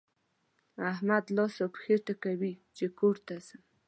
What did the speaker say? احمد لاس و پښې ټکوي چې کور ته ځم.